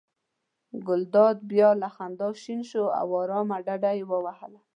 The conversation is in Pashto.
ګلداد بیا له خندا شین شو او آرامه ډډه یې ووهله.